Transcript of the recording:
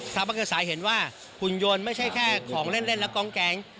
ทำให้เกิดสายเห็นว่าหุ่นยนต์ไม่ใช่แค่ของเล่นและกองแก๊ง